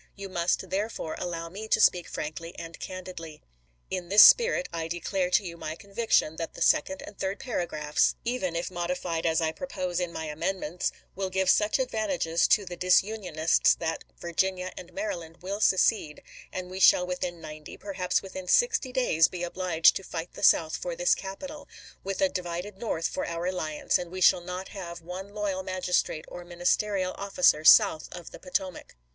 You must, therefore, allow me to speak frankly and candidly. In this spirit, I declare to you my conviction, that the second and third paragraphs, even if modified as I propose in my amend ments, will give such advantages to the Disunionists that Virginia and Maryland will secede, and we shall within ninety, perhaps within sixty, days be obliged to fight the South for this capital, with a divided North for our reliance, and we shall not have one loyal magistrate or ministerial officer south of the Potomac.